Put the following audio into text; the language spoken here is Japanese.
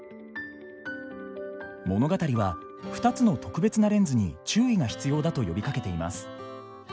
物語は２つの特別なレンズに注意が必要だと呼びかけています。